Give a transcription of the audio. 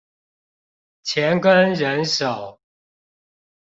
錢跟人手